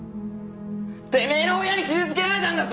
てめえの親に傷つけられたんだぞ！